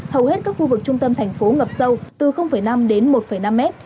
hầu hết các khu vực trung tâm thành phố ngập sâu từ năm đến một năm mét